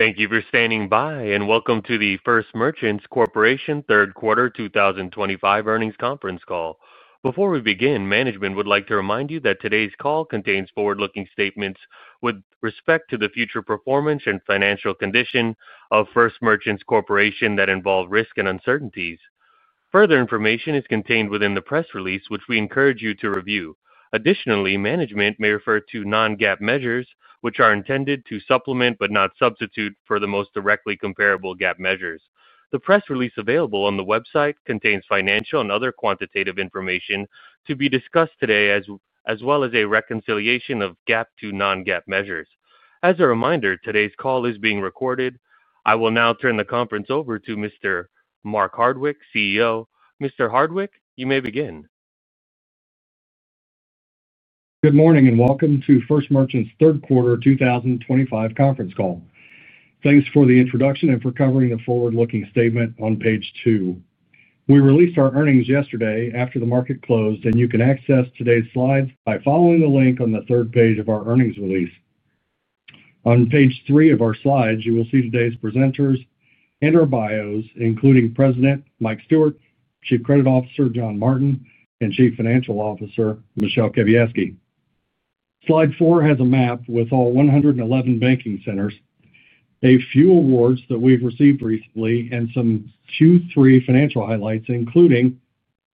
Thank you for standing by and welcome to the First Merchants Corporation third quarter 2025 earnings conference call. Before we begin, management would like to remind you that today's call contains forward-looking statements with respect to the future performance and financial condition of First Merchants Corporation that involve risk and uncertainties. Further information is contained within the press release, which we encourage you to review. Additionally, management may refer to non-GAAP measures, which are intended to supplement but not substitute for the most directly comparable GAAP measures. The press release available on the website contains financial and other quantitative information to be discussed today, as well as a reconciliation of GAAP to non-GAAP measures. As a reminder, today's call is being recorded. I will now turn the conference over to Mr. Mark Hardwick, CEO. Mr. Hardwick, you may begin. Good morning and welcome to First Merchants' third quarter 2025 conference call. Thanks for the introduction and for covering the forward-looking statement on page two. We released our earnings yesterday after the market closed, and you can access today's slides by following the link on the third page of our earnings release. On page three of our slides, you will see today's presenters and our bios, including President Mike Stewart, Chief Credit Officer John Martin, and Chief Financial Officer Michele Kawiecki. Slide four has a map with all 111 banking centers, a few awards that we've received recently, and some Q3 financial highlights, including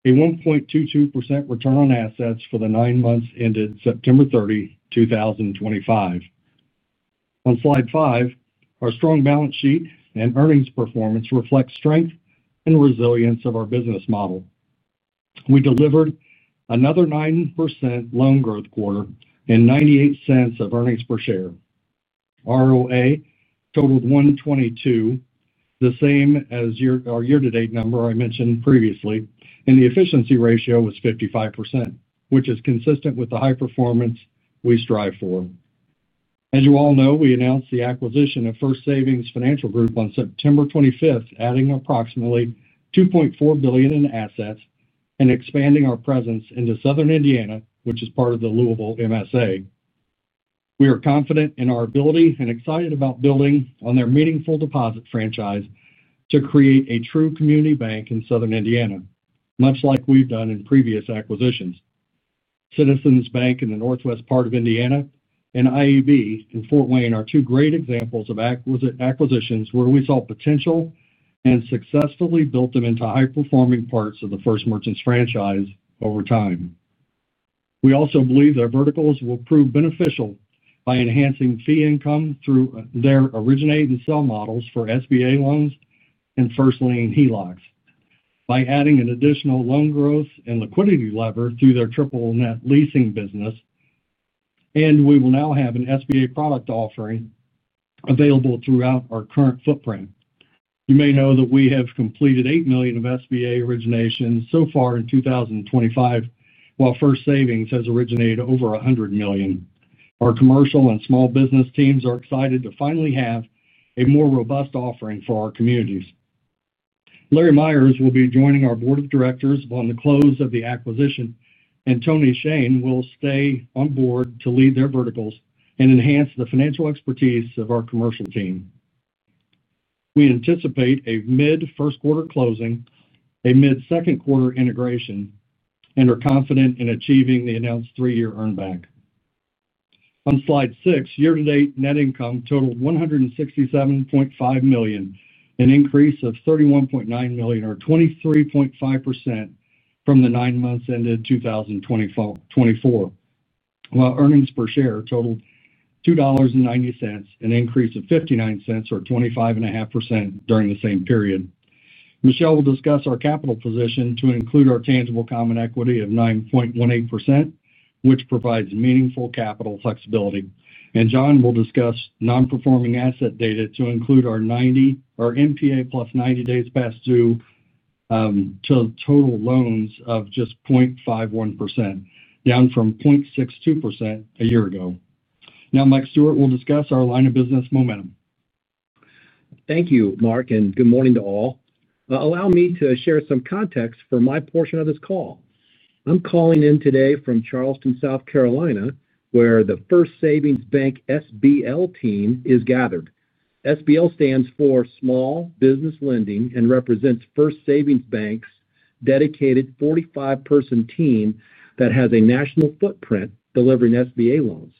a 1.22% return on assets for the nine months ended September 30, 2025. On slide five, our strong balance sheet and earnings performance reflect strength and resilience of our business model. We delivered another 9% loan growth quarter and $0.98 of earnings per share. ROA totaled 1.22%, the same as our year-to-date number I mentioned previously, and the efficiency ratio was 55%, which is consistent with the high performance we strive for. As you all know, we announced the acquisition of First Savings Financial Group on September 25, adding approximately $2.4 billion in assets and expanding our presence into Southern Indiana, which is part of the Louisville MSA. We are confident in our ability and excited about building on their meaningful deposit franchise to create a true community bank in Southern Indiana, much like we've done in previous acquisitions. Citizens Bank in the northwest part of Indiana and IAB in Fort Wayne are two great examples of acquisitions where we saw potential and successfully built them into high-performing parts of the First Merchants franchise over time. We also believe their verticals will prove beneficial by enhancing fee income through their originate and sell models for SBA lending and First Lane HELOCs by adding an additional loan growth and liquidity lever through their triple net lease portfolio. We will now have an SBA product offering available throughout our current footprint. You may know that we have completed $8 million of SBA originations so far in 2025, while First Savings has originated over $100 million. Our commercial and small business teams are excited to finally have a more robust offering for our communities. Larry Myers will be joining our Board of Directors upon the close of the acquisition, and Tony Shane will stay on board to lead their verticals and enhance the financial expertise of our commercial team. We anticipate a mid-first quarter closing, a mid-second quarter integration, and are confident in achieving the announced three-year earned back. On slide six, year-to-date net income totaled $167.5 million, an increase of $31.9 million or 23.5% from the nine months ended 2024, while earnings per share totaled $2.90, an increase of $0.59 or 25.5% during the same period. Michele will discuss our capital position to include our tangible common equity of 9.18%, which provides meaningful capital flexibility. John will discuss non-performing asset data to include our NPA +90 days past due total loans of just 0.51%, down from 0.62% a year ago. Now, Mike Stewart will discuss our line of business momentum. Thank you, Mark, and good morning to all. Allow me to share some context for my portion of this call. I'm calling in today from Charleston, South Carolina, where the First Savings SBL team is gathered. SBL stands for Small Business Lending and represents First Savings' dedicated 45-person team that has a national footprint delivering SBA loans.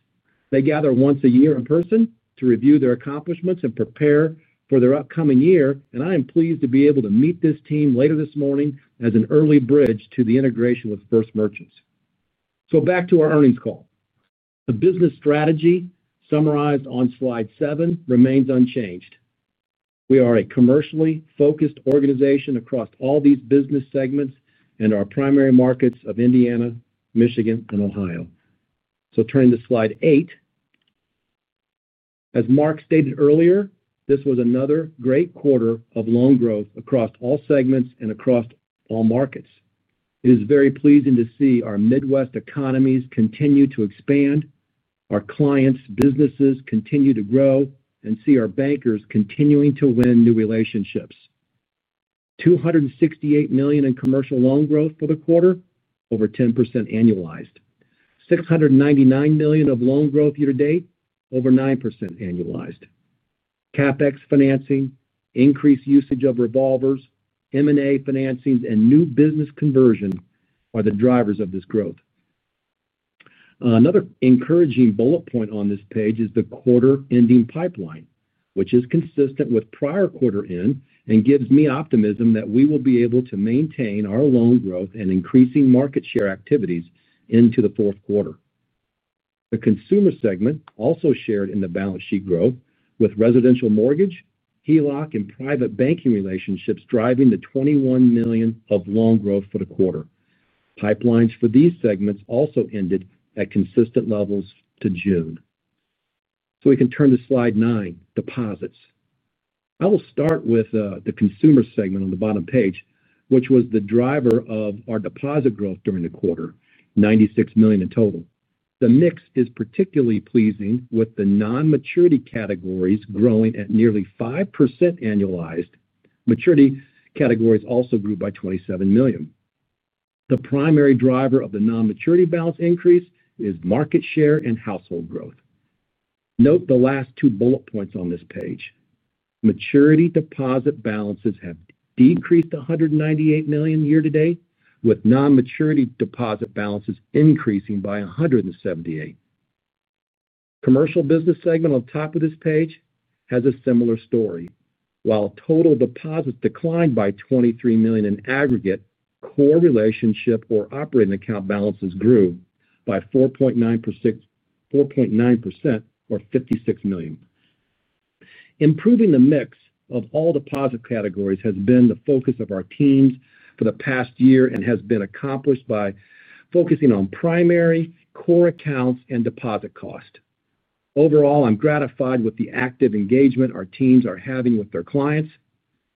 They gather once a year in person to review their accomplishments and prepare for their upcoming year, and I am pleased to be able to meet this team later this morning as an early bridge to the integration with First Merchants. Back to our earnings call. The business strategy summarized on slide seven remains unchanged. We are a commercially focused organization across all these business segments and our primary markets of Indiana, Michigan, and Ohio. Turn to slide eight. As Mark stated earlier, this was another great quarter of loan growth across all segments and across all markets. It is very pleasing to see our Midwest economies continue to expand, our clients' businesses continue to grow, and see our bankers continuing to win new relationships. $268 million in commercial loan growth for the quarter, over 10% annualized. $699 million of loan growth year to date, over 9% annualized. CapEx financing, increased usage of revolvers, M&A financings, and new business conversions are the drivers of this growth. Another encouraging bullet point on this page is the quarter-ending pipeline, which is consistent with prior quarter ends and gives me optimism that we will be able to maintain our loan growth and increasing market share activities into the fourth quarter. The consumer segment also shared in the balance sheet growth, with residential mortgage, HELOC, and private banking relationships driving the $21 million of loan growth for the quarter. Pipelines for these segments also ended at consistent levels to June. We can turn to slide nine, deposits. I will start with the consumer segment on the bottom page, which was the driver of our deposit growth during the quarter, $96 million in total. The mix is particularly pleasing with the non-maturity categories growing at nearly 5% annualized. Maturity categories also grew by $27 million. The primary driver of the non-maturity balance increase is market share and household growth. Note the last two bullet points on this page. Maturity deposit balances have decreased $198 million year to date, with non-maturity deposit balances increasing by $178 million. Commercial business segment on top of this page has a similar story. While total deposits declined by $23 million in aggregate, core relationship or operating account balances grew by 4.9% or $56 million. Improving the mix of all deposit categories has been the focus of our teams for the past year and has been accomplished by focusing on primary core accounts and deposit cost. Overall, I'm gratified with the active engagement our teams are having with their clients.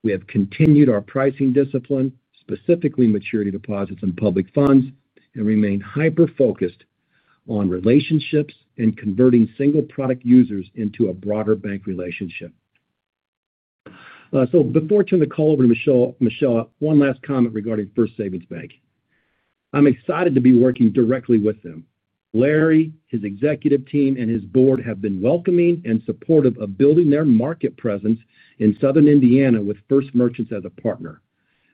We have continued our pricing discipline, specifically maturity deposits and public funds, and remain hyper-focused on relationships and converting single product users into a broader bank relationship. Before I turn the call over to Michele, one last comment regarding First Savings. I'm excited to be working directly with them. Larry, his executive team, and his board have been welcoming and supportive of building their market presence in Southern Indiana with First Merchants as a partner.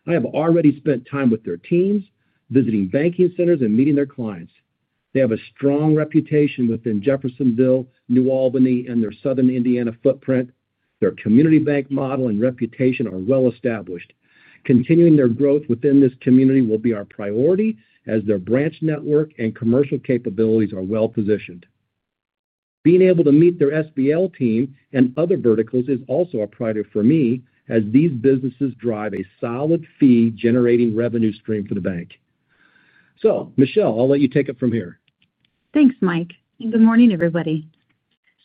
I have already spent time with their teams, visiting banking centers, and meeting their clients. They have a strong reputation within Jeffersonville, New Albany, and their Southern Indiana footprint. Their community bank model and reputation are well established. Continuing their growth within this community will be our priority as their branch network and commercial capabilities are well positioned. Being able to meet their Small Business Lending team and other verticals is also a priority for me as these businesses drive a solid fee-generating revenue stream for the bank. Michele, I'll let you take it from here. Thanks, Mike. Good morning, everybody.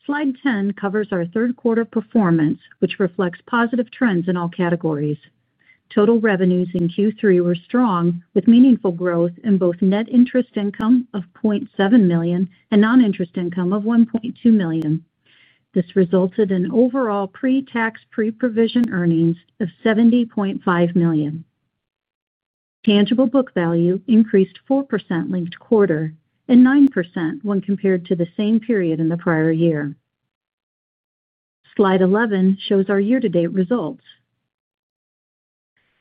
Slide 10 covers our third quarter performance, which reflects positive trends in all categories. Total revenues in Q3 were strong, with meaningful growth in both net interest income of $0.7 million and non-interest income of $1.2 million. This resulted in overall pre-tax, pre-provision earnings of $70.5 million. Tangible book value increased 4% linked quarter and 9% when compared to the same period in the prior year. Slide 11 shows our year-to-date results.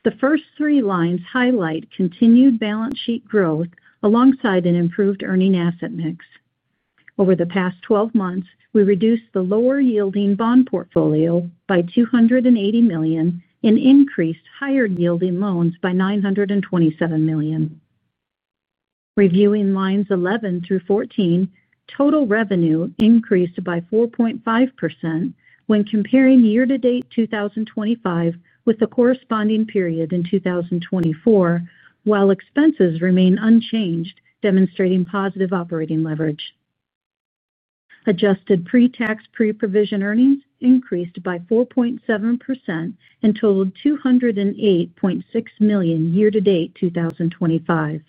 The first three lines highlight continued balance sheet growth alongside an improved earning asset mix. Over the past 12 months, we reduced the lower-yielding bond portfolio by $280 million and increased higher-yielding loans by $927 million. Reviewing lines 11 through 14, total revenue increased by 4.5% when comparing year-to-date 2025 with the corresponding period in 2024, while expenses remain unchanged, demonstrating positive operating leverage. Adjusted pre-tax, pre-provision earnings increased by 4.7% and totaled $208.6 million year to date 2025.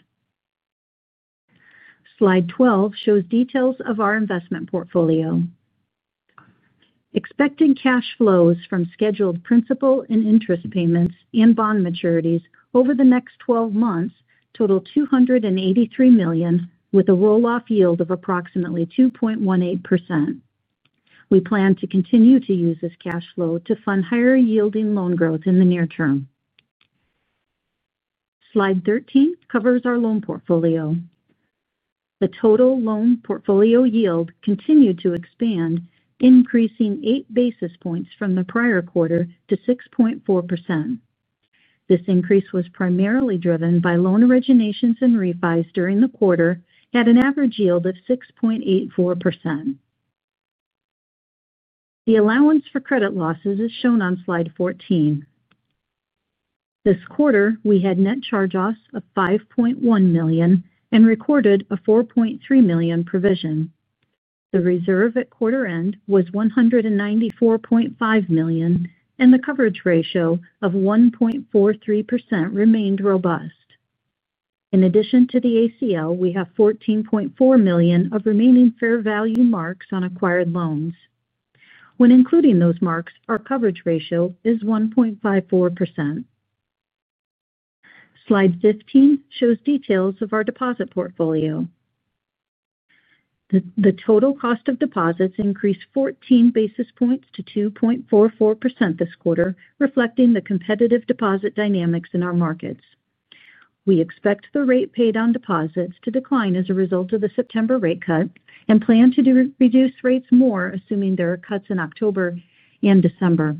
Slide 12 shows details of our investment portfolio. Expected cash flows from scheduled principal and interest payments and bond maturities over the next 12 months totaled $283 million with a roll-off yield of approximately 2.18%. We plan to continue to use this cash flow to fund higher-yielding loan growth in the near term. Slide 13 covers our loan portfolio. The total loan portfolio yield continued to expand, increasing eight basis points from the prior quarter to 6.4%. This increase was primarily driven by loan originations and revised during the quarter at an average yield of 6.84%. The allowance for credit losses is shown on slide 14. This quarter, we had net charge-offs of $5.1 million and recorded a $4.3 million provision. The reserve at quarter end was $194.5 million, and the coverage ratio of 1.43% remained robust. In addition to the ACL, we have $14.4 million of remaining fair value marks on acquired loans. When including those marks, our coverage ratio is 1.54%. Slide 15 shows details of our deposit portfolio. The total cost of deposits increased 14 basis points to 2.44% this quarter, reflecting the competitive deposit dynamics in our markets. We expect the rate paid on deposits to decline as a result of the September rate cut and plan to reduce rates more, assuming there are cuts in October and December.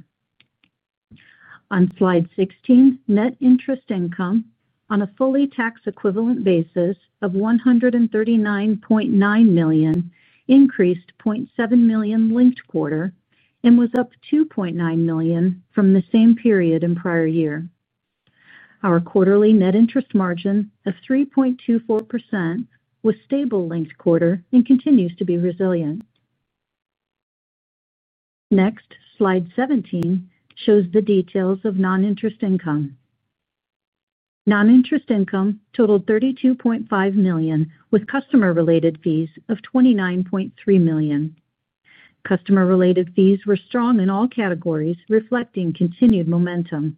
On slide 16, net interest income on a fully tax-equivalent basis of $139.9 million increased $0.7 million linked quarter and was up $2.9 million from the same period in prior year. Our quarterly net interest margin of 3.24% was stable linked quarter and continues to be resilient. Next, slide 17 shows the details of non-interest income. Non-interest income totaled $32.5 million with customer-related fees of $29.3 million. Customer-related fees were strong in all categories, reflecting continued momentum.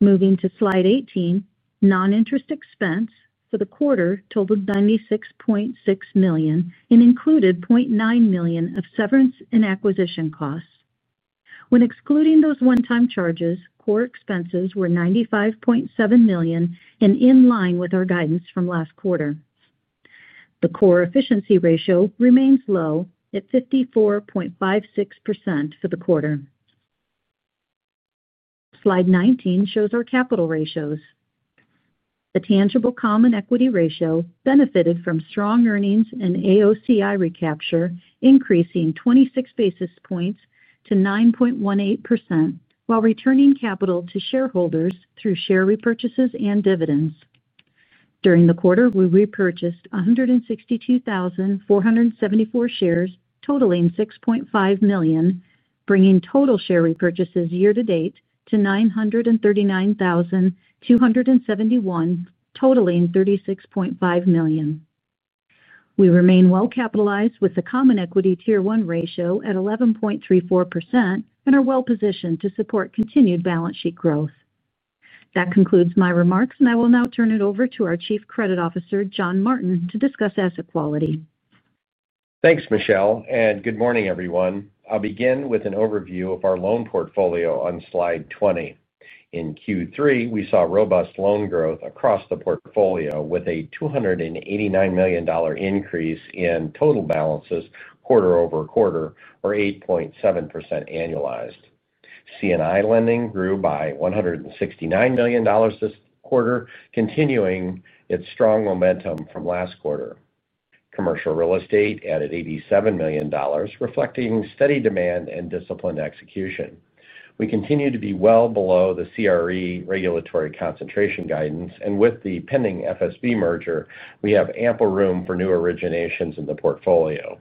Moving to slide 18, non-interest expense for the quarter totaled $96.6 million and included $0.9 million of severance and acquisition costs. When excluding those one-time charges, core expenses were $95.7 million and in line with our guidance from last quarter. The core efficiency ratio remains low at 54.56% for the quarter. Slide 19 shows our capital ratios. The tangible common equity ratio benefited from strong earnings and AOCI recapture, increasing 26 basis points to 9.18% while returning capital to shareholders through share repurchases and dividends. During the quarter, we repurchased 162,474 shares, totaling $6.5 million, bringing total share repurchases year to date to 939,271, totaling $36.5 million. We remain well capitalized with the common equity tier one ratio at 11.34% and are well positioned to support continued balance sheet growth. That concludes my remarks, and I will now turn it over to our Chief Credit Officer, John Martin, to discuss asset quality. Thanks, Michele, and good morning, everyone. I'll begin with an overview of our loan portfolio on slide 20. In Q3, we saw robust loan growth across the portfolio with a $289 million increase in total balances quarter-over-quarter, or 8.7% annualized. C&I lending grew by $169 million this quarter, continuing its strong momentum from last quarter. Commercial real estate added $87 million, reflecting steady demand and disciplined execution. We continue to be well below the CRE regulatory concentration guidance, and with the pending First Savings merger, we have ample room for new originations in the portfolio.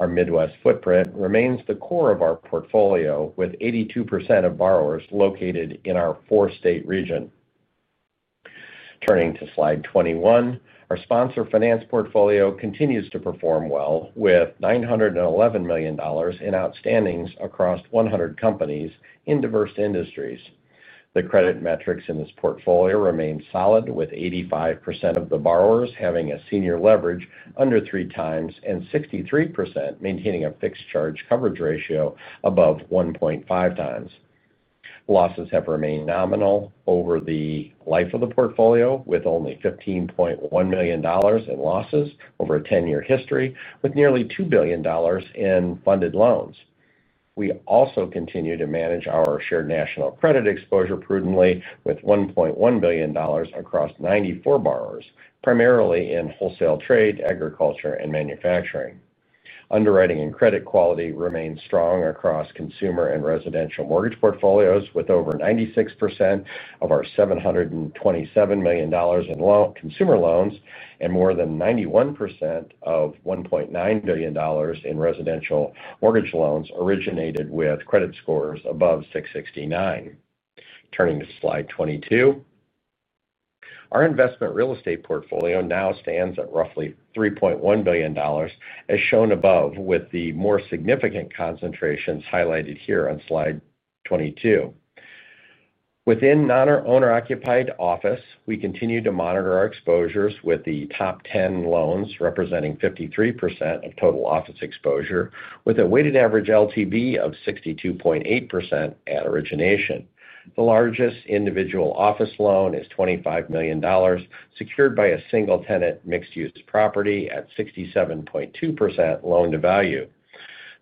Our Midwest footprint remains the core of our portfolio, with 82% of borrowers located in our four-state region. Turning to slide 21, our sponsor finance portfolio continues to perform well, with $911 million in outstandings across 100 companies in diverse industries. The credit metrics in this portfolio remain solid, with 85% of the borrowers having a senior leverage under three times and 63% maintaining a fixed charge coverage ratio above 1.5 times. Losses have remained nominal over the life of the portfolio, with only $15.1 million in losses over a 10-year history, with nearly $2 billion in funded loans. We also continue to manage our shared national credit exposure prudently, with $1.1 billion across 94 borrowers, primarily in wholesale trade, agriculture, and manufacturing. Underwriting and credit quality remain strong across consumer and residential mortgage portfolios, with over 96% of our $727 million in consumer loans and more than 91% of $1.9 billion in residential mortgage loans originated with credit scores above 669. Turning to slide 22, our investment real estate portfolio now stands at roughly $3.1 billion, as shown above, with the more significant concentrations highlighted here on slide 22. Within our owner-occupied office, we continue to monitor our exposures with the top 10 loans representing 53% of total office exposure, with a weighted average LTV of 62.8% at origination. The largest individual office loan is $25 million, secured by a single-tenant mixed-use property at 67.2% loan-to-value.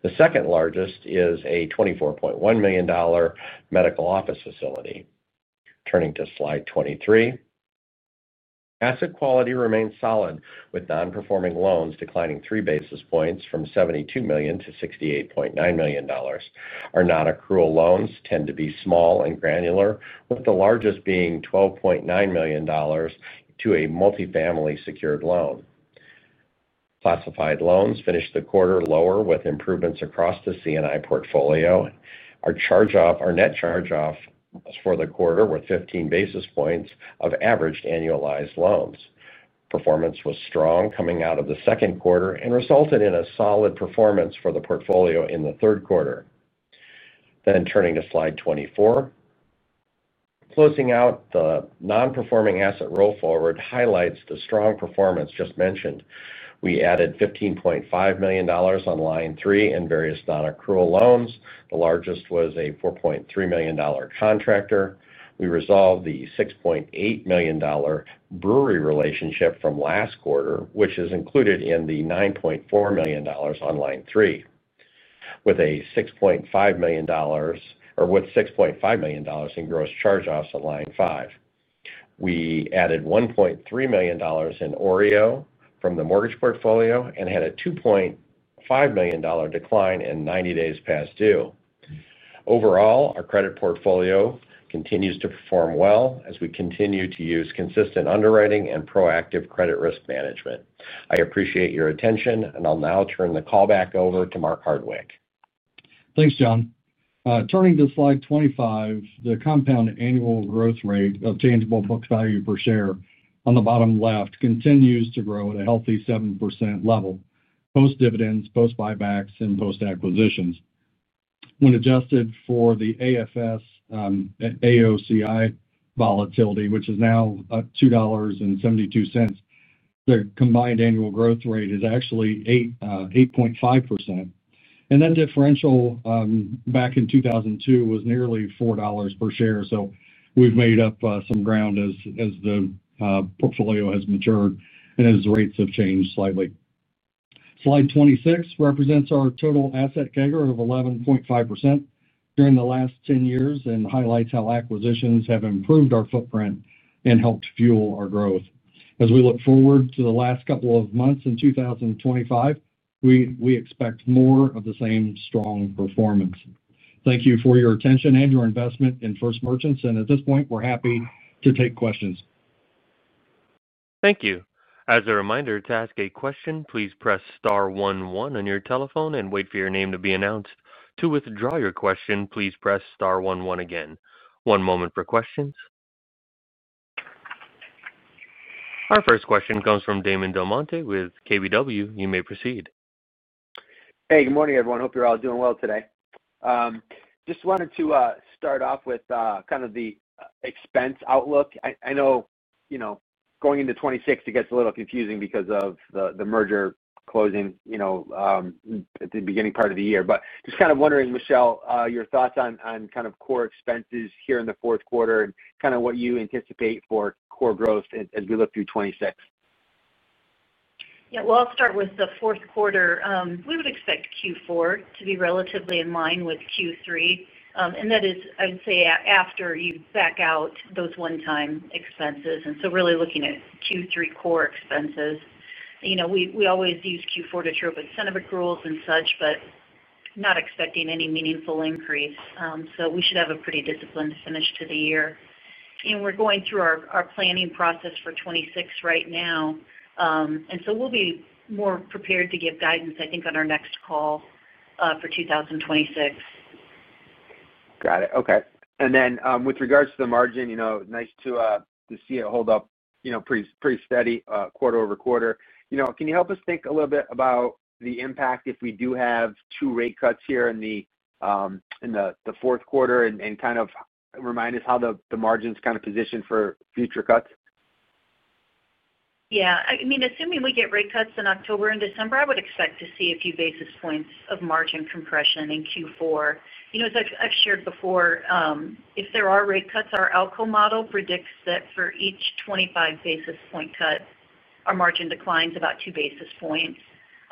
The second largest is a $24.1 million medical office facility. Turning to slide 23, asset quality remains solid, with non-performing loans declining three basis points from $72 million to $68.9 million. Our non-accrual loans tend to be small and granular, with the largest being $12.9 million to a multifamily secured loan. Classified loans finished the quarter lower, with improvements across the C&I portfolio. Our net charge-offs for the quarter were 15 basis points of average annualized loans. Performance was strong coming out of the second quarter and resulted in a solid performance for the portfolio in the third quarter. Turning to slide 24, closing out the non-performing asset roll forward highlights the strong performance just mentioned. We added $15.5 million on line three in various non-accrual loans. The largest was a $4.3 million contractor. We resolved the $6.8 million brewery relationship from last quarter, which is included in the $9.4 million on line three, with $6.5 million in gross charge-offs on line five. We added $1.3 million in OREO from the mortgage portfolio and had a $2.5 million decline in 90 days past due. Overall, our credit portfolio continues to perform well as we continue to use consistent underwriting and proactive credit risk management. I appreciate your attention, and I'll now turn the call back over to Mark Hardwick. Thanks, John. Turning to slide 25, the compound annual growth rate of tangible book value per share on the bottom left continues to grow at a healthy 7% level post-dividends, post-buybacks, and post-acquisitions. When adjusted for the AFS AOCI volatility, which is now $2.72, the combined annual growth rate is actually 8.5%. That differential back in 2002 was nearly $4 per share. We've made up some ground as the portfolio has matured and as rates have changed slightly. Slide 26 represents our total asset CAGR of 11.5% during the last 10 years and highlights how acquisitions have improved our footprint and helped fuel our growth. As we look forward to the last couple of months in 2025, we expect more of the same strong performance. Thank you for your attention and your investment in First Merchants, and at this point, we're happy to take questions. Thank you. As a reminder, to ask a question, please press star 11 on your telephone and wait for your name to be announced. To withdraw your question, please press star 11 again. One moment for questions. Our first question comes from Damon DelMonte with KBW. You may proceed. Hey, good morning, everyone. Hope you're all doing well today. I just wanted to start off with kind of the expense outlook. I know, you know, going into 2026, it gets a little confusing because of the merger closing at the beginning part of the year. Just kind of wondering, Michele, your thoughts on kind of core expenses here in the fourth quarter and what you anticipate for core growth as we look through 2026. I'll start with the fourth quarter. We would expect Q4 to be relatively in line with Q3, and that is, I would say, after you back out those one-time expenses. Really looking at Q3 core expenses, you know, we always use Q4 to true up incentive accruals and such, but not expecting any meaningful increase. We should have a pretty disciplined finish to the year. We're going through our planning process for 2026 right now, and we'll be more prepared to give guidance, I think, on our next call for 2026. Got it. Okay. With regards to the margin, nice to see it hold up pretty steady, quarter-over-quarter. Can you help us think a little bit about the impact if we do have two rate cuts here in the fourth quarter and kind of remind us how the margin's positioned for future cuts? Yeah, I mean, assuming we get rate cuts in October and December, I would expect to see a few basis points of margin compression in Q4. As I've shared before, if there are rate cuts, our ALCO model predicts that for each 25 basis point cut, our margin declines about two basis points.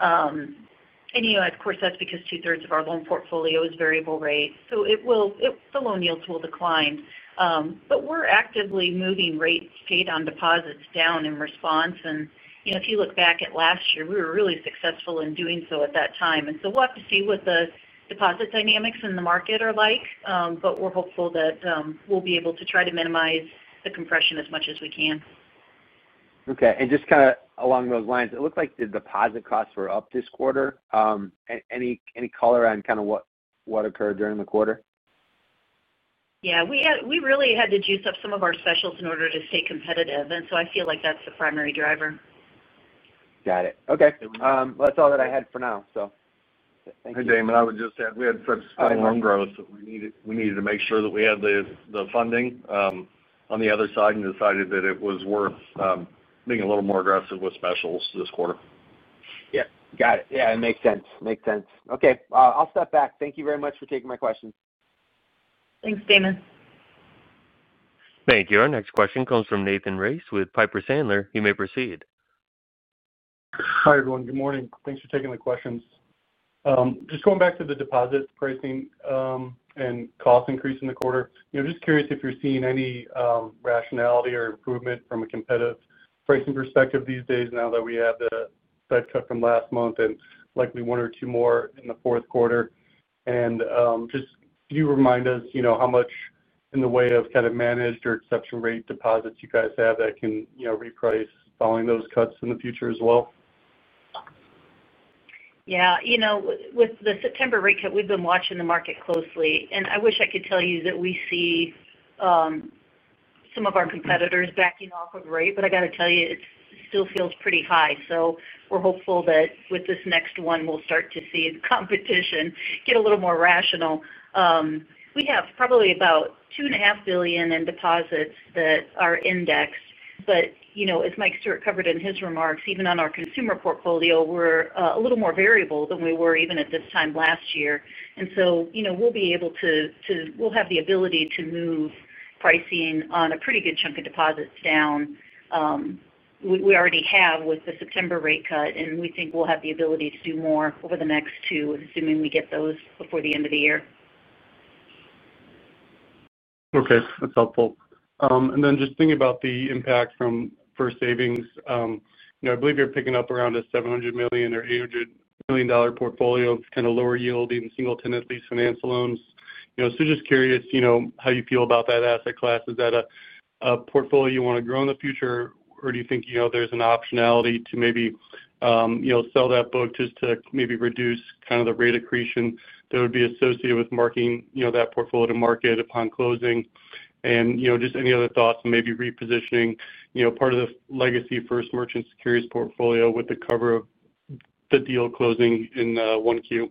Of course, that's because two-thirds of our loan portfolio is variable rate. The loan yields will decline, but we're actively moving rate paid on deposits down in response. If you look back at last year, we were really successful in doing so at that time. We'll have to see what the deposit dynamics in the market are like, but we're hopeful that we'll be able to try to minimize the compression as much as we can. Okay. Just kind of along those lines, it looked like the deposit costs were up this quarter. Any color on what occurred during the quarter? Yeah, we really had to juice up some of our specials in order to stay competitive. I feel like that's the primary driver. Got it. Okay, that's all that I had for now, so thank you. Hey, Damon, I was just saying we had such high loan growth that we needed to make sure that we had the funding on the other side and decided that it was worth being a little more aggressive with specials this quarter. Yeah, got it. It makes sense. Okay, I'll step back. Thank you very much for taking my questions. Thanks, Damon. Thank you. Our next question comes from Nathan Race with Piper Sandler. You may proceed. Hi, everyone. Good morning. Thanks for taking the questions. Just going back to the deposit pricing and cost increase in the quarter, you know, just curious if you're seeing any rationality or improvement from a competitive pricing perspective these days now that we have the side cut from last month and likely one or two more in the fourth quarter. Also, can you remind us how much in the way of kind of managed or exception rate deposits you guys have that can reprice following those cuts in the future as well? Yeah, you know, with the September rate cut, we've been watching the market closely. I wish I could tell you that we see some of our competitors backing off of rate, but I got to tell you, it still feels pretty high. We're hopeful that with this next one, we'll start to see the competition get a little more rational. We have probably about $2.5 billion in deposits that are indexed. As Mike Stewart covered in his remarks, even on our consumer portfolio, we're a little more variable than we were even at this time last year. We'll have the ability to move pricing on a pretty good chunk of deposits down. We already have with the September rate cut, and we think we'll have the ability to do more over the next two, assuming we get those before the end of the year. Okay, that's helpful. Then just thinking about the impact from First Savings, I believe you're picking up around a $700 million or $800 million portfolio of kind of lower-yielding single-tenant lease finance loans. I'm just curious how you feel about that asset class. Is that a portfolio you want to grow in the future, or do you think there's an optionality to maybe sell that book just to maybe reduce kind of the rate accretion that would be associated with marketing that portfolio to market upon closing? Any other thoughts on maybe repositioning part of the legacy First Merchants Securities portfolio with the cover of the deal closing in the 1Q?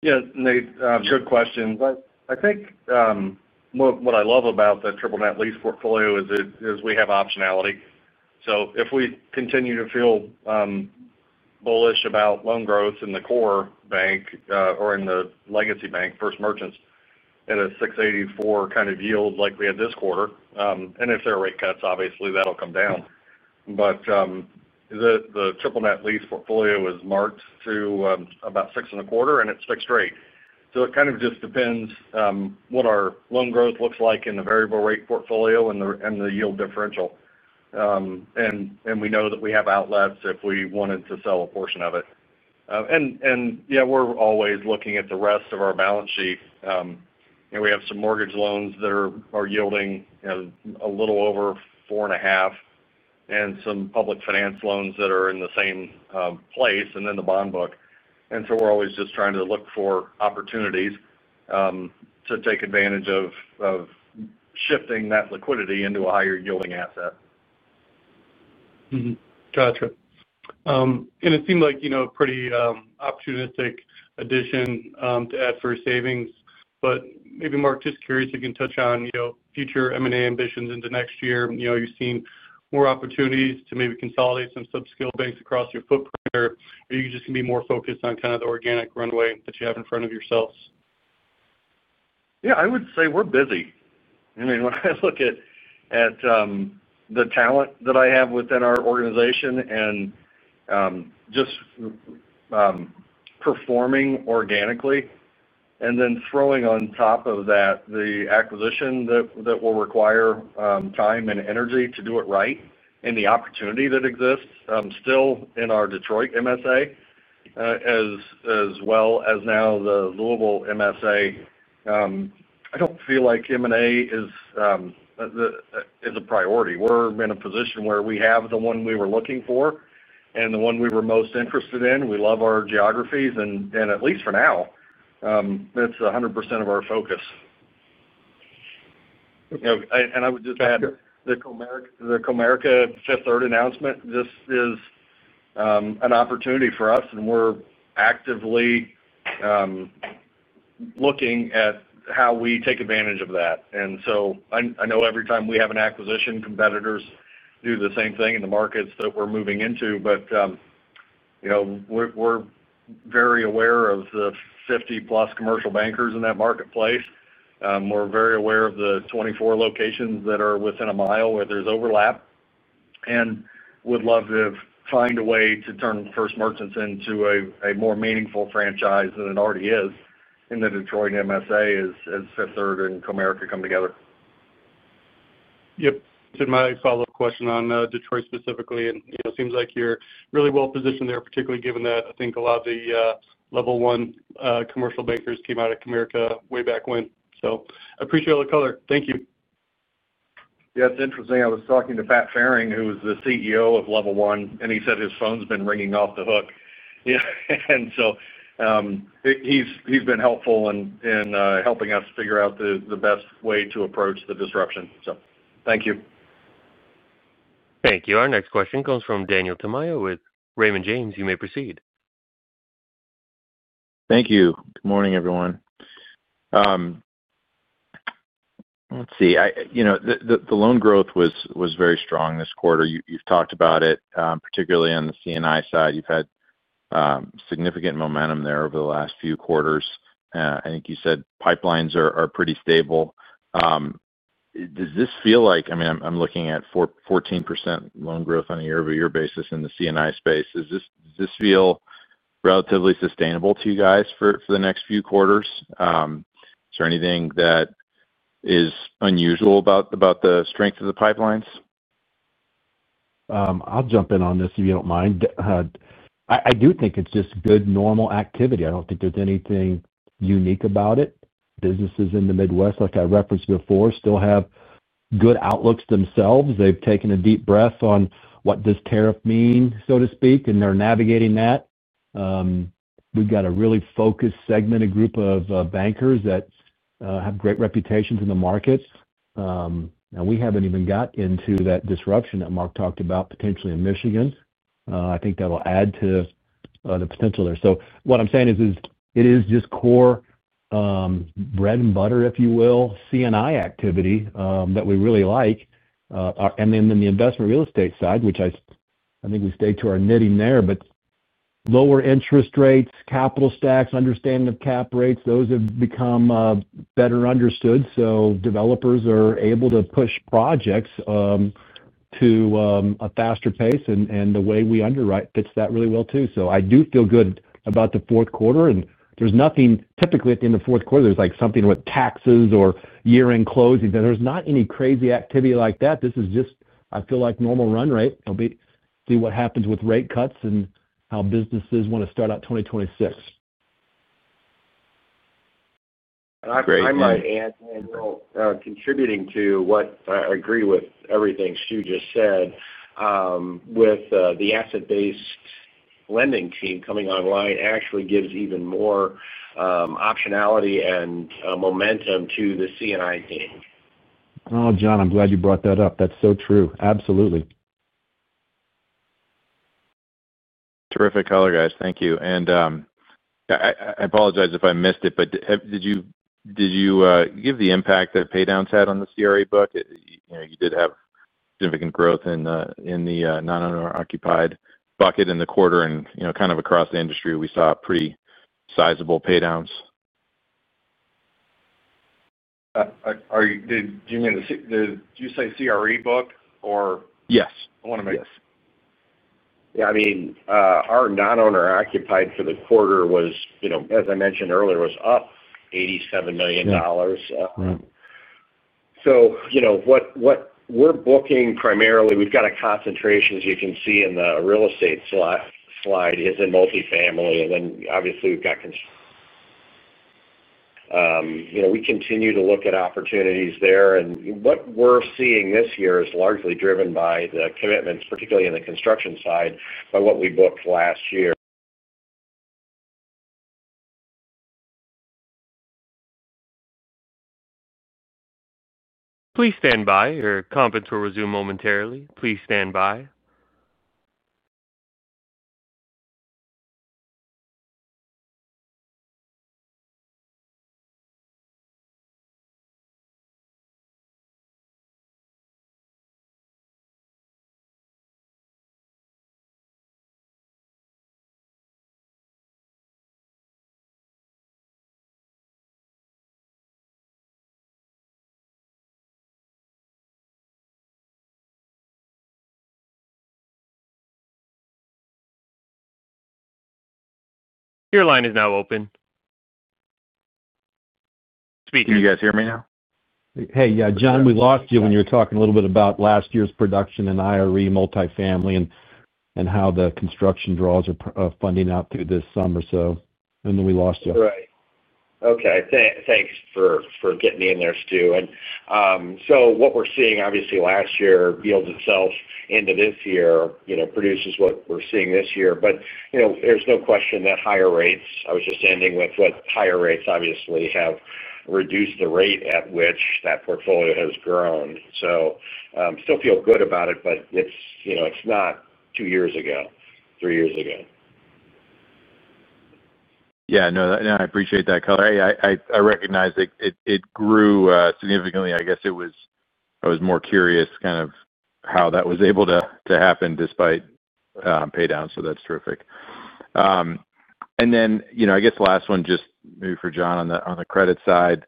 Yeah, Nate, good questions. I think what I love about the triple net lease portfolio is we have optionality. If we continue to feel bullish about loan growth in the core bank, or in the legacy bank, First Merchants, at a 6.84% kind of yield like we had this quarter, and if there are rate cuts, obviously, that'll come down. The triple net lease portfolio is marked to about 6.25% and it's fixed rate. It kind of just depends what our loan growth looks like in the variable rate portfolio and the yield differential. We know that we have outlets if we wanted to sell a portion of it. We're always looking at the rest of our balance sheet. We have some mortgage loans that are yielding a little over 4.5% and some public finance loans that are in the same place and then the bond book. We're always just trying to look for opportunities to take advantage of shifting that liquidity into a higher-yielding asset. Gotcha. It seemed like, you know, a pretty opportunistic addition to add First Savings. Maybe, Mark, just curious if you can touch on, you know, future M&A ambitions into next year. You know, you've seen more opportunities to maybe consolidate some sub-scale banks across your footprint, or are you just going to be more focused on kind of the organic runway that you have in front of yourselves? Yeah, I would say we're busy. I mean, when I look at the talent that I have within our organization and just performing organically, and then throwing on top of that the acquisition that will require time and energy to do it right and the opportunity that exists still in our Detroit MSA, as well as now the Louisville MSA, I don't feel like M&A is a priority. We're in a position where we have the one we were looking for and the one we were most interested in. We love our geographies, and at least for now, that's 100% of our focus. I would just add the Comerica, Fifth Third announcement, this is an opportunity for us, and we're actively looking at how we take advantage of that. I know every time we have an acquisition, competitors do the same thing in the markets that we're moving into. We're very aware of the 50+ commercial bankers in that marketplace. We're very aware of the 24 locations that are within a mile where there's overlap and would love to find a way to turn First Merchants into a more meaningful franchise than it already is in the Detroit MSA as Fifth Third and Comerica come together. Yep. My follow-up question on Detroit specifically, it seems like you're really well positioned there, particularly given that I think a lot of the Level One commercial bankers came out of Comerica way back when. I appreciate all the color. Thank you. Yeah, it's interesting. I was talking to Pat Fehring, who's the CEO of Level One, and he said his phone's been ringing off the hook. He's been helpful in helping us figure out the best way to approach the disruption. Thank you. Thank you. Our next question comes from Daniel Tamayo with Raymond James. You may proceed. Thank you. Good morning, everyone. The loan growth was very strong this quarter. You've talked about it, particularly on the C&I side. You've had significant momentum there over the last few quarters. I think you said pipelines are pretty stable. Does this feel like, I mean, I'm looking at 14% loan growth on a year-over-year basis in the C&I space. Does this feel relatively sustainable to you guys for the next few quarters? Is there anything that is unusual about the strength of the pipelines? I'll jump in on this if you don't mind. I do think it's just good normal activity. I don't think there's anything unique about it. Businesses in the Midwest, like I referenced before, still have good outlooks themselves. They've taken a deep breath on what does tariff mean, so to speak, and they're navigating that. We've got a really focused segmented group of bankers that have great reputations in the markets, and we haven't even got into that disruption that Mark talked about potentially in Michigan. I think that'll add to the potential there. What I'm saying is, it is just core, bread and butter, if you will, C&I activity that we really like. Then in the investment real estate side, which I think we stay to our knitting there, but lower interest rates, capital stacks, understanding of cap rates, those have become better understood. Developers are able to push projects to a faster pace, and the way we underwrite fits that really well, too. I do feel good about the fourth quarter. There's nothing typically at the end of the fourth quarter, there's like something with taxes or year-end closing. There's not any crazy activity like that. This is just, I feel like, normal run rate. We'll see what happens with rate cuts and how businesses want to start out 2026. I might add, contributing to what I agree with everything Stu just said, with the asset-based lending team coming online actually gives even more optionality and momentum to the C&I team. Oh, John, I'm glad you brought that up. That's so true. Absolutely. Terrific color, guys. Thank you. I apologize if I missed it, but did you give the impact that paydowns had on the commercial real estate book? You did have significant growth in the non-owner-occupied bucket in the quarter. You know, kind of across the industry, we saw pretty sizable paydowns. Did you mean the, did you say commercial real estate book or? Yes. I want to make sure. Yeah, I mean, our non-owner-occupied for the quarter was, as I mentioned earlier, was up $87 million. What we're booking primarily, we've got a concentration, as you can see in the real estate slide, is in multifamily. Obviously, we continue to look at opportunities there. What we're seeing this year is largely driven by the commitments, particularly in the construction side, by what we booked last year. Please stand by. The conference will resume momentarily. Please stand by. Your line is now open. Speaker. Can you guys hear me now? Hey, yeah, John, we lost you when you were talking a little bit about last year's production and IRE multifamily and how the construction draws are funding out through this summer. We lost you. Right. Okay. Thanks for getting me in there, Stu. What we're seeing, obviously, last year yields itself into this year, produces what we're seeing this year. There's no question that higher rates, I was just ending with what higher rates, obviously, have reduced the rate at which that portfolio has grown. Still feel good about it, but it's not two years ago, three years ago. Yeah, no, I appreciate that color. I recognize that it grew significantly. I guess I was more curious kind of how that was able to happen despite paydowns. That's terrific. I guess the last one just maybe for John on the credit side,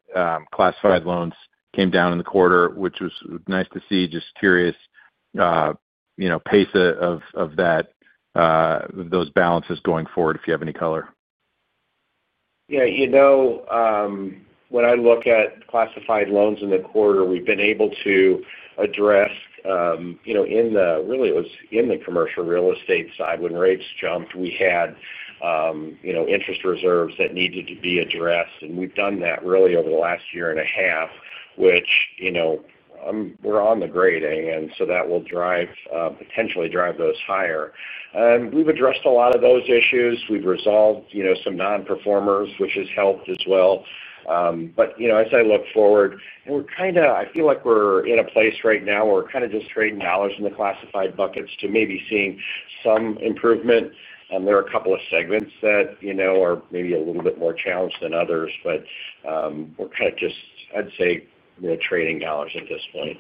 classified loans came down in the quarter, which was nice to see. Just curious, pace of that, of those balances going forward if you have any color. Yeah, you know, when I look at classified loans in the quarter, we've been able to address, you know, in the, really, it was in the commercial real estate side. When rates jumped, we had, you know, interest reserves that needed to be addressed. We've done that really over the last year and a half, which, you know, I'm, we're on the grading. That will drive, potentially drive those higher. We've addressed a lot of those issues. We've resolved, you know, some non-performers, which has helped as well. As I look forward, and we're kind of, I feel like we're in a place right now where we're kind of just trading dollars in the classified buckets to maybe seeing some improvement. There are a couple of segments that, you know, are maybe a little bit more challenged than others. We're kind of just, I'd say, you know, trading dollars at this point.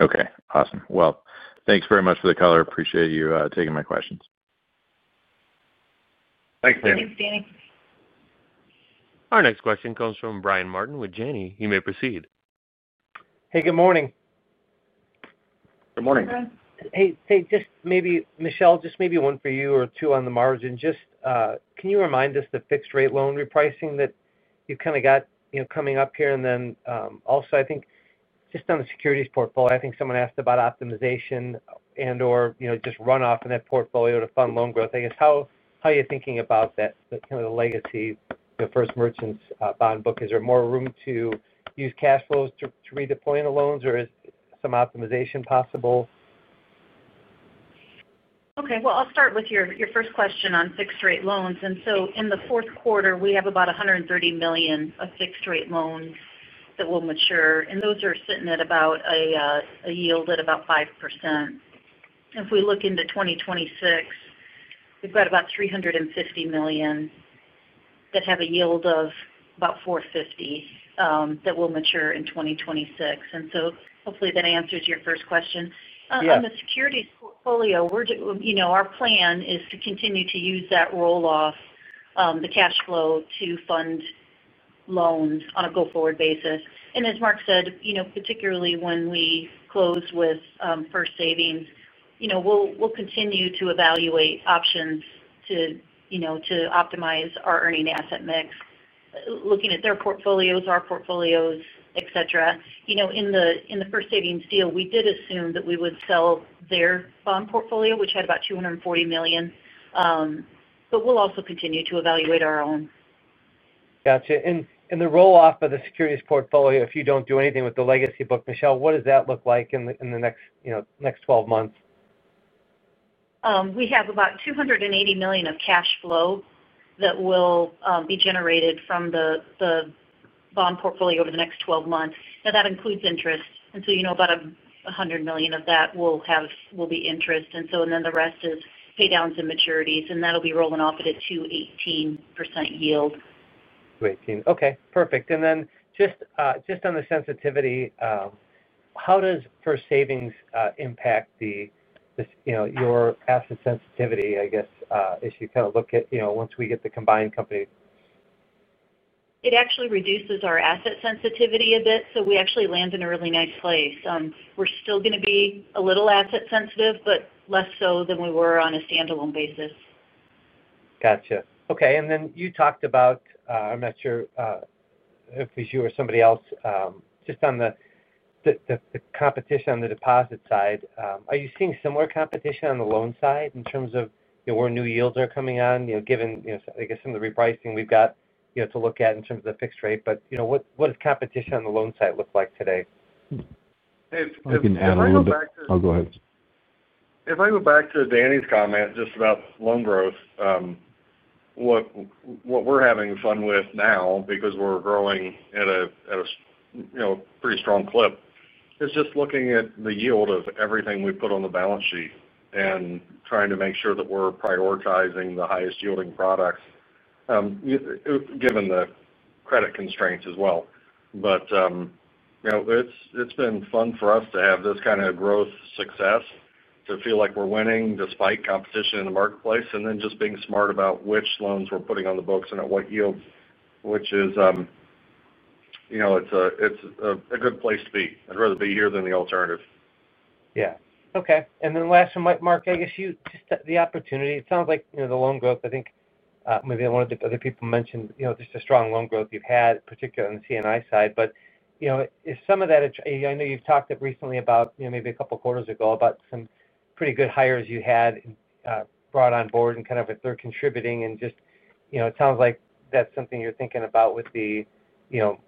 Okay. Awesome. Thanks very much for the color. Appreciate you taking my questions. Thanks, Dan. Thanks, Danny. Our next question comes from Brian Martin with Janney. You may proceed. Hey, good morning. Good morning. Hey, Michele, just maybe one for you or two on the margin. Can you remind us the fixed-rate loan repricing that you've kind of got coming up here? Also, I think just on the securities portfolio, I think someone asked about optimization and/or just runoff in that portfolio to fund loan growth. I guess how are you thinking about that, the kind of the legacy First Merchants bond book? Is there more room to use cash flows to redeploy into loans, or is some optimization possible? Okay. I'll start with your first question on fixed-rate loans. In the fourth quarter, we have about $130 million of fixed-rate loans that will mature. Those are sitting at a yield at about 5%. If we look into 2026, we've got about $350 million that have a yield of about 4.50% that will mature in 2026. Hopefully, that answers your first question. On the securities portfolio, our plan is to continue to use that roll-off, the cash flow to fund loans on a go-forward basis. As Mark said, particularly when we close with First Savings, we'll continue to evaluate options to optimize our earning asset mix, looking at their portfolios, our portfolios, etc. In the First Savings deal, we did assume that we would sell their bond portfolio, which had about $240 million. We'll also continue to evaluate our own. Gotcha. In the roll-off of the securities portfolio, if you don't do anything with the legacy book, Michele, what does that look like in the next 12 months? We have about $280 million of cash flow that will be generated from the bond portfolio over the next 12 months. That includes interest, so about $100 million of that will be interest. The rest is paydowns and maturities, and that'll be rolling off at a 2.18% yield. Okay. Perfect. Just on the sensitivity, how does First Savings impact this, you know, your asset sensitivity, I guess, as you kind of look at, you know, once we get the combined company? It actually reduces our asset sensitivity a bit. We actually land in a really nice place. We're still going to be a little asset-sensitive, but less so than we were on a standalone basis. Gotcha. Okay. You talked about, I'm not sure if it was you or somebody else, just on the competition on the deposit side. Are you seeing similar competition on the loan side in terms of where new yields are coming on, given, I guess, some of the repricing we've got to look at in terms of the fixed rate? What does competition on the loan side look like today? If I can add a little back to it. Oh go ahead. If I go back to Danny's comment just about loan growth, what we're having fun with now because we're growing at a, you know, pretty strong clip is just looking at the yield of everything we put on the balance sheet and trying to make sure that we're prioritizing the highest-yielding products, given the credit constraints as well. You know, it's been fun for us to have this kind of growth success, to feel like we're winning despite competition in the marketplace, and then just being smart about which loans we're putting on the books and at what yield, which is, you know, it's a good place to be. I'd rather be here than the alternative. Yeah. Okay. Last one, Mark, I guess just the opportunity. It sounds like, you know, the loan growth, I think maybe one of the other people mentioned, you know, just a strong loan growth you've had, particularly on the C&I side. Is some of that, I know you've talked recently about, you know, maybe a couple of quarters ago about some pretty good hires you had, brought on board and if they're contributing. It sounds like that's something you're thinking about with the, you know,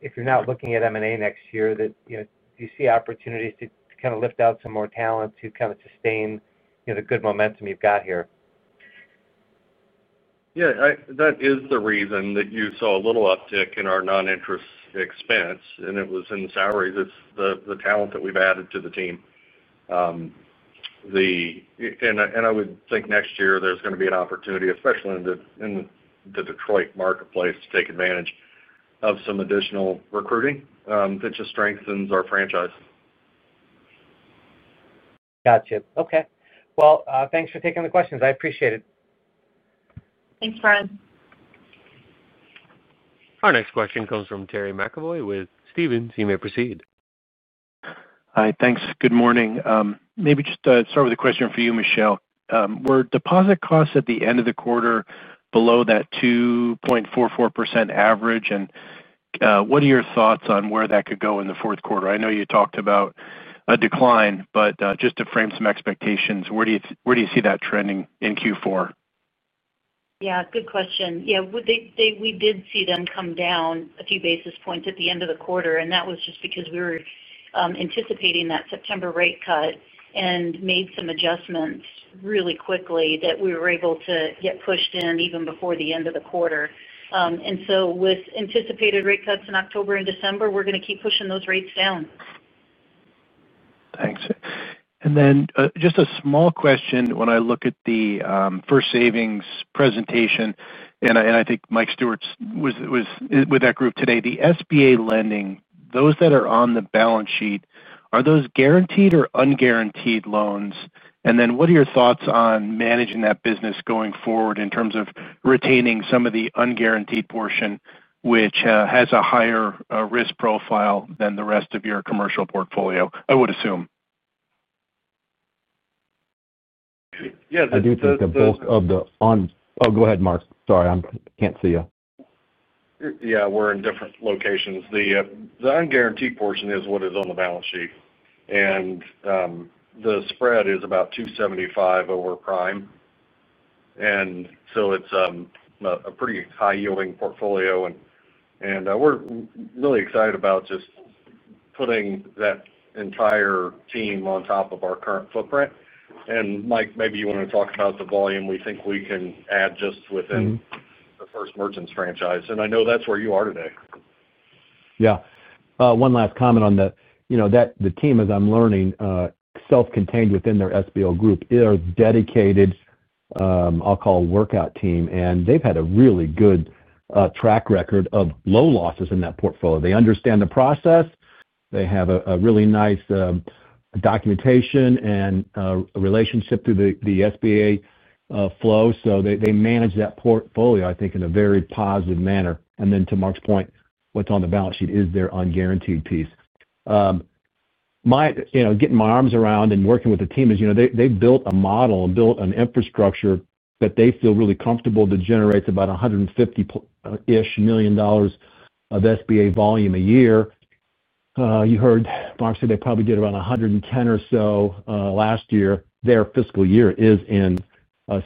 if you're not looking at M&A next year, that, you know, do you see opportunities to kind of lift out some more talent to kind of sustain, you know, the good momentum you've got here? Yeah, that is the reason that you saw a little uptick in our non-interest expense, and it was in the salaries. It's the talent that we've added to the team, and I would think next year there's going to be an opportunity, especially in the Detroit MSA, to take advantage of some additional recruiting that just strengthens our franchise. Gotcha. Okay. Thanks for taking the questions. I appreciate it. Thanks, Brian. Our next question comes from Terry McEvoy with Stephens. You may proceed. Hi, thanks. Good morning. Maybe just to start with a question for you, Michele. Were deposit costs at the end of the quarter below that 2.44% average? What are your thoughts on where that could go in the fourth quarter? I know you talked about a decline. Just to frame some expectations, where do you see that trending in Q4? Yeah, good question. We did see them come down a few basis points at the end of the quarter. That was just because we were anticipating that September rate cut and made some adjustments really quickly that we were able to get pushed in even before the end of the quarter. With anticipated rate cuts in October and December, we're going to keep pushing those rates down. Thanks. Just a small question. When I look at the First Savings presentation, and I think Mike Stewart was with that group today, the SBA lending, those that are on the balance sheet, are those guaranteed or unguaranteed loans? What are your thoughts on managing that business going forward in terms of retaining some of the unguaranteed portion, which has a higher risk profile than the rest of your commercial portfolio, I would assume? Yeah, I do think the bulk of the on—oh, go ahead, Mark. Sorry, I can't see you. Yeah, we're in different locations. The unguaranteed portion is what is on the balance sheet, and the spread is about 275 over prime. It's a pretty high-yielding portfolio, and we're really excited about just putting that entire team on top of our current footprint. Mike, maybe you want to talk about the volume we think we can add just within the First Merchants franchise. I know that's where you are today. Yeah. One last comment on that, you know, the team, as I'm learning, is self-contained within their SBL group. They're a dedicated, I'll call it, workout team, and they've had a really good track record of low losses in that portfolio. They understand the process. They have a really nice documentation and a relationship to the SBA flow. They manage that portfolio, I think, in a very positive manner. To Mark's point, what's on the balance sheet is their unguaranteed piece. My, you know, getting my arms around and working with the team is, you know, they've built a model and built an infrastructure that they feel really comfortable that generates about $150 million-ish of SBA volume a year. You heard Mark say they probably did about $110 million or so last year. Their fiscal year is in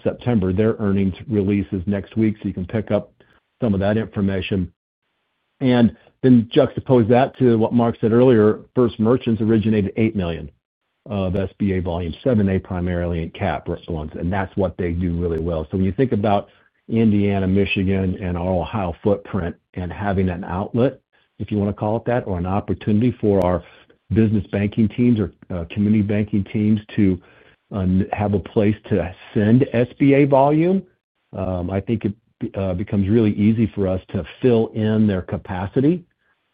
September. Their earnings release is next week. You can pick up some of that information and then juxtapose that to what Mark said earlier. First Merchants originated $8 million of SBA volume, 7A primarily in cap loans, and that's what they do really well. When you think about Indiana, Michigan, and our Ohio footprint and having an outlet, if you want to call it that, or an opportunity for our business banking teams or community banking teams to have a place to send SBA volume, I think it becomes really easy for us to fill in their capacity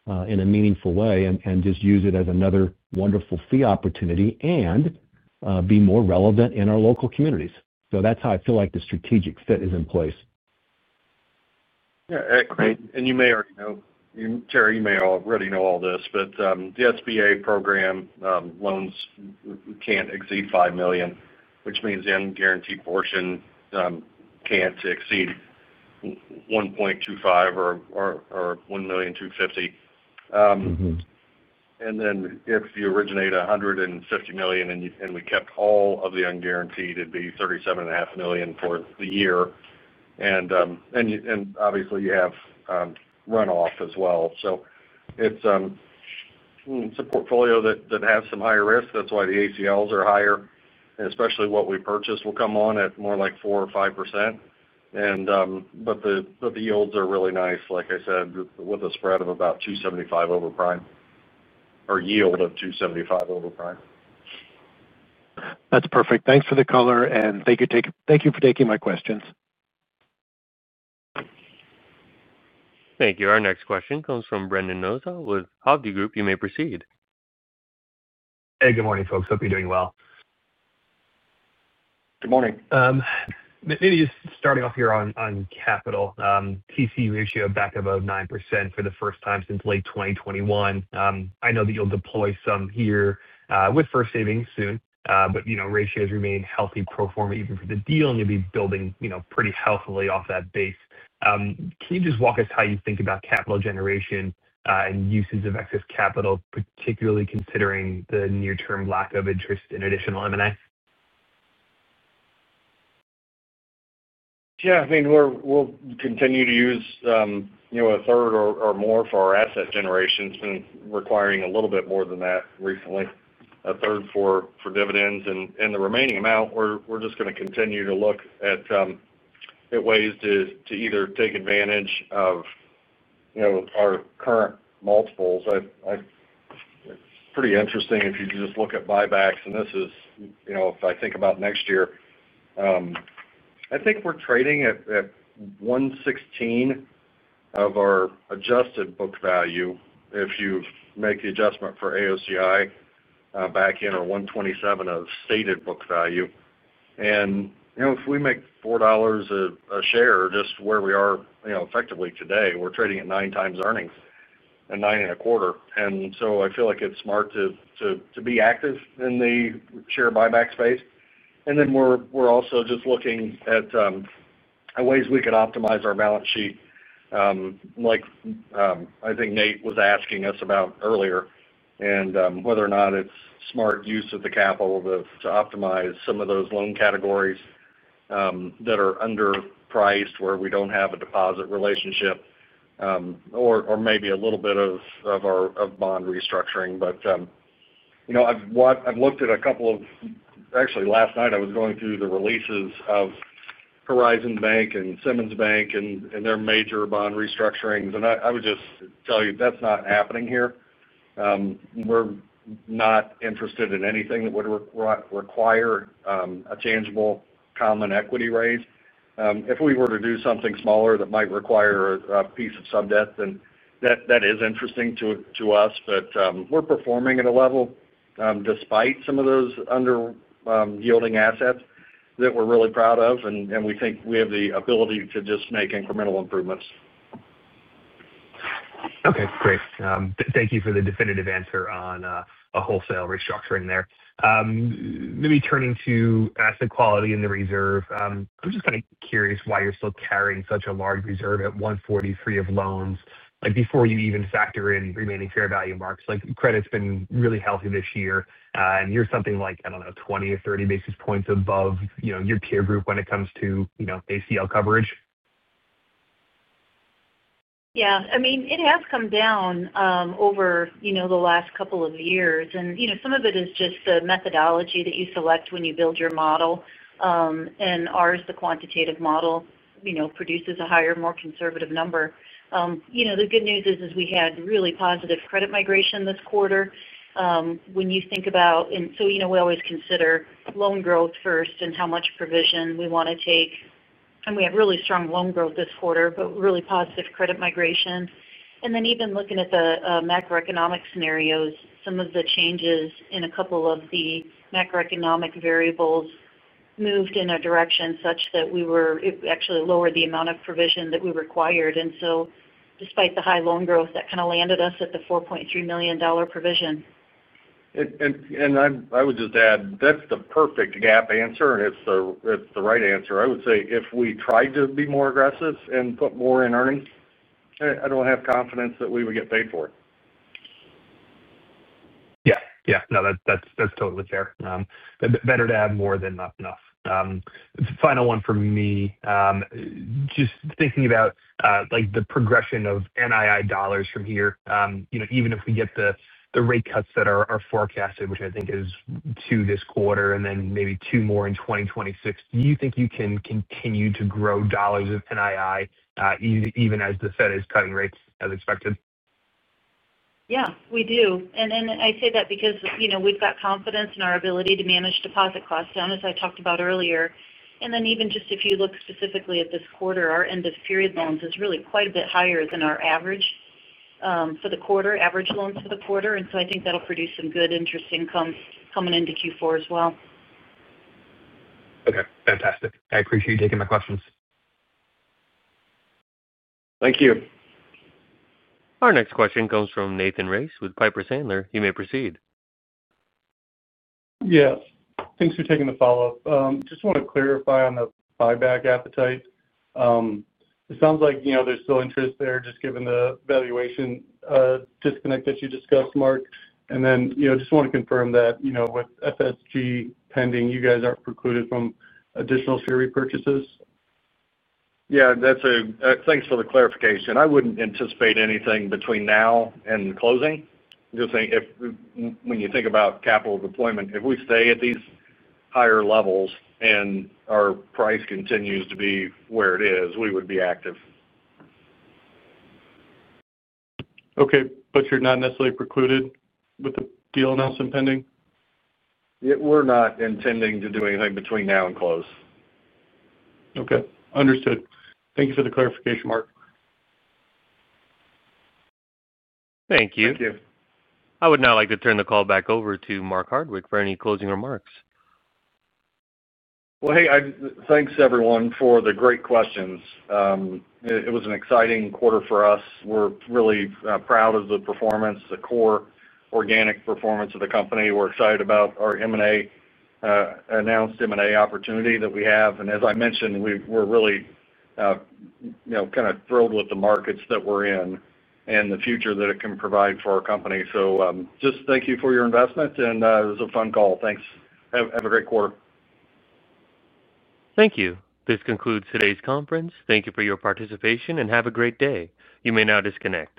in a meaningful way and just use it as another wonderful fee opportunity and be more relevant in our local communities. That's how I feel like the strategic fit is in place. Yeah, and you may already know, Terry, you may already know all this, but the SBA program, loans can't exceed $5 million, which means the unguaranteed portion can't exceed $1.25 million, or $1.25 million. If you originate $150 million and we kept all of the unguaranteed, it'd be $37.5 million for the year. Obviously, you have runoff as well. It's a portfolio that has some higher risk. That's why the ACLs are higher, and especially what we purchase will come on at more like 4% or 5%. The yields are really nice, like I said, with a spread of about 275 over prime or yield of 275 over prime. That's perfect. Thanks for the color. Thank you for taking my questions. Thank you. Our next question comes from Brandon Nussbaum with Hobby Group. You may proceed. Hey, good morning, folks. Hope you're doing well. Good morning. Maybe just starting off here on capital. TCE ratio backed up about 9% for the first time since late 2021. I know that you'll deploy some here, with First Savings soon, but you know ratios remain healthy pro forma even for the deal, and you'll be building, you know, pretty healthily off that base. Can you just walk us how you think about capital generation, and uses of excess capital, particularly considering the near-term lack of interest in additional M&A? Yeah, I mean, we'll continue to use a third or more for our asset generations and requiring a little bit more than that recently, a third for dividends. The remaining amount, we're just going to continue to look at ways to either take advantage of our current multiples. It's pretty interesting if you just look at buybacks. If I think about next year, I think we're trading at 116% of our adjusted book value if you make the adjustment for AOCI back in, or 127% of stated book value. If we make $4 a share, just where we are, effectively today, we're trading at nine times earnings and nine and a quarter. I feel like it's smart to be active in the share buyback space. We're also just looking at ways we could optimize our balance sheet, like I think Nate was asking us about earlier, and whether or not it's smart use of the capital to optimize some of those loan categories that are underpriced where we don't have a deposit relationship, or maybe a little bit of bond restructuring. I've looked at a couple of, actually, last night, I was going through the releases of Horizon Bank and Simmons Bank and their major bond restructurings. I would just tell you that's not happening here. We're not interested in anything that would require a tangible common equity raise. If we were to do something smaller that might require a piece of sub debt, then that is interesting to us. We're performing at a level, despite some of those under-yielding assets, that we're really proud of. We think we have the ability to just make incremental improvements. Okay, great. Thank you for the definitive answer on a wholesale restructuring there. Maybe turning to asset quality and the reserve. I'm just kind of curious why you're still carrying such a large reserve at 1.43% of loans. Like, before you even factor in remaining fair value marks, credit's been really healthy this year, and you're something like, I don't know, 20 or 30 basis points above your peer group when it comes to ACL coverage? Yeah, I mean, it has come down over the last couple of years. Some of it is just the methodology that you select when you build your model, and ours, the quantitative model, produces a higher, more conservative number. The good news is we had really positive credit migration this quarter. You know, we always consider loan growth first and how much provision we want to take. We have really strong loan growth this quarter, but really positive credit migration. Even looking at the macroeconomic scenarios, some of the changes in a couple of the macroeconomic variables moved in a direction such that it actually lowered the amount of provision that we required. Despite the high loan growth, that kind of landed us at the $4.3 million provision. I would just add, that's the perfect GAAP answer, and it's the right answer. I would say if we tried to be more aggressive and put more in earnings, I don't have confidence that we would get paid for it. Yeah, that's totally fair. Better to have more than not enough. The final one for me, just thinking about the progression of NII dollars from here. You know, even if we get the rate cuts that are forecasted, which I think is two this quarter and then maybe two more in 2026, do you think you can continue to grow dollars of NII, even as the Fed is cutting rates as expected? Yeah, we do. I say that because, you know, we've got confidence in our ability to manage deposit costs, as I talked about earlier. Even just if you look specifically at this quarter, our end-of-period loans is really quite a bit higher than our average for the quarter, average loans for the quarter. I think that'll produce some good interest income coming into Q4 as well. Okay, fantastic. I appreciate you taking my questions. Thank you. Our next question comes from Nathan Race with Piper Sandler. You may proceed. Yes, thanks for taking the follow-up. I just want to clarify on the buyback appetite. It sounds like, you know, there's still interest there just given the valuation disconnect that you discussed, Mark. I just want to confirm that, you know, with First Savings pending, you guys aren't precluded from additional share repurchases? Yeah, thanks for the clarification. I wouldn't anticipate anything between now and closing. Just saying, when you think about capital deployment, if we stay at these higher levels and our price continues to be where it is, we would be active. Okay, you're not necessarily precluded with the deal announcement pending? Yeah, we're not intending to do anything between now and close. Okay, understood. Thank you for the clarification, Mark. Thank you. Thank you. I would now like to turn the call back over to Mark Hardwick for any closing remarks. Thank you, everyone, for the great questions. It was an exciting quarter for us. We're really proud of the performance, the core organic performance of the company. We're excited about our M&A, announced M&A opportunity that we have. As I mentioned, we're really, you know, kind of thrilled with the markets that we're in and the future that it can provide for our company. Just thank you for your investment. It was a fun call. Thanks. Have a great quarter. Thank you. This concludes today's conference. Thank you for your participation and have a great day. You may now disconnect.